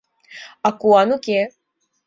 А куан уке.